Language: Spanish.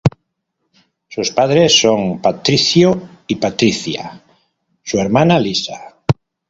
Sus padres son Patrizio y Patrizia; su hermana, Lisa.